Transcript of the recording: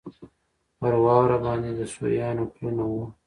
پر واوره باندې د سویانو پلونه وو.